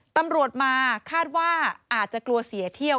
ตำรวจมาคาดว่าอาจจะกลัวเสียเที่ยว